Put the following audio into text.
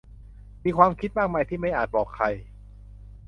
มีความคิดมากมายที่ไม่อาจบอกใคร